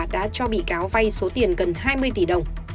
đã cho bị cáo vay số tiền gần hai mươi tỷ đồng